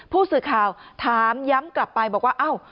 ผู้สื่อข่าวถามย้ำกลับไปบอกว่าอ้าว